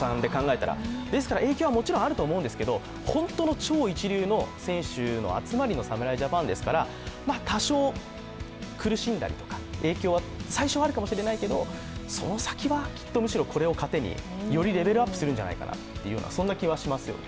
ですから影響はもあると思うんですけど、本当の超一流の選手の集まりの侍ジャパンですから多少、苦しんだりとか影響は最初、あるかもしれないけれどその先はきっとむしろこれを糧によりレベルアップするんじゃないかなという気はしますよね。